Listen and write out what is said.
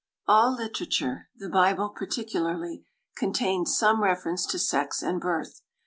All literature (the Bible particularly) contains some reference to sex and birth.